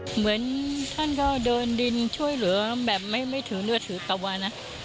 เหมือนท่านก็เดินดินช่วยเหลือแบบไม่ถือเลือดถือตะวันนะ